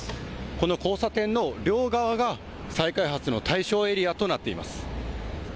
この交差点の両側が再開発の対象エリアとなっています。